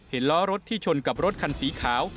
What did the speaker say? ล้อรถที่ชนกับรถคันสีขาว